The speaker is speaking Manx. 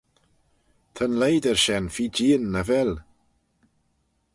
Ta'n leighder shen feer jeean, nagh vel?